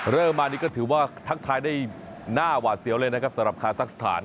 เริ่มมานี่ก็ถือว่าทักทายได้หน้าหวาดเสียวเลยนะครับสำหรับคาซักสถาน